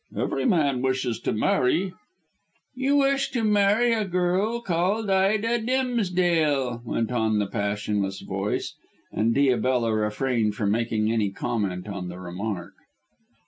"Every man wishes to marry." "You wish to marry a girl called Ida Dimsdale," went on the passionless voice, and Diabella refrained from making any comment on the remark.